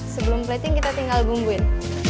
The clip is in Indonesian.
sebelum plating kita tinggal bumbuin